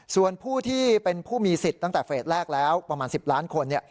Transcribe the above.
ส่วนผู้ที่เป็นผู้มีสิทธิ์ตั้งแต่เฟสแรกแล้วประมาณ๑๐ล้านคน